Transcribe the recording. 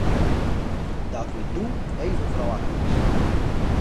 Dat wie doe even wrâldnijs.